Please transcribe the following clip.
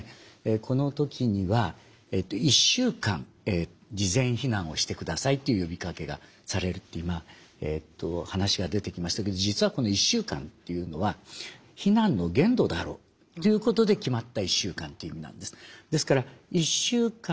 この時には１週間事前避難をしてくださいという呼びかけがされるという話が出てきましたけど実はこの１週間というのは避難の限度だろうということで決まった１週間という意味なんです。